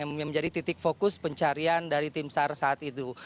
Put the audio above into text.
yang menjadi titik fokus pencarian dari tim sar saat itu